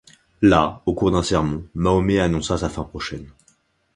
Là, au cours d'un sermon, Mahomet annonça sa fin prochaine.